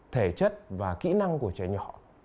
thể chất và kỹ năng của trẻ nhỏ